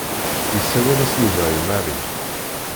Isawel-as Yuba i Mary.